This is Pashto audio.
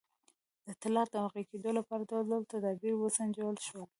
د طلاق د واقع کېدو لپاره ډول ډول تدابیر وسنجول شول.